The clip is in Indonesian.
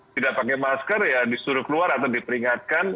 tidak pakai masker ya disuruh keluar atau diperingatkan